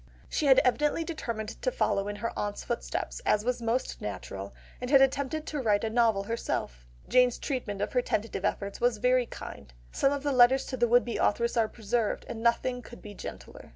She had evidently determined to follow in her aunt's footsteps, as was most natural, and had attempted to write a novel herself; Jane's treatment of her tentative efforts was very kind, some of the letters to the would be authoress are preserved, and nothing could be gentler.